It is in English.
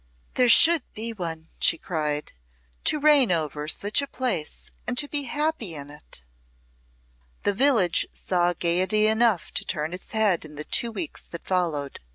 "There should be one," she cried, "to reign over such a place, and to be happy in it." The village saw gayety enough to turn its head in the two weeks that followed.